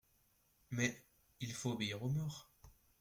Mais … Il faut obéir aux morts.